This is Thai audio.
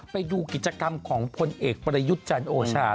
ไปดูกิจกรรมของพลเอกประยุทธ์จันทร์โอชา